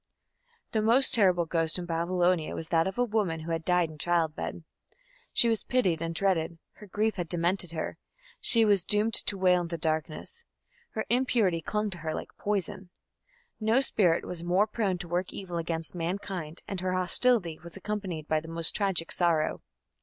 The most terrible ghost in Babylonia was that of a woman who had died in childbed. She was pitied and dreaded; her grief had demented her; she was doomed to wail in the darkness; her impurity clung to her like poison. No spirit was more prone to work evil against mankind, and her hostility was accompanied by the most tragic sorrow.